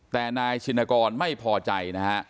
แต่นายชินากรไม่พอใจ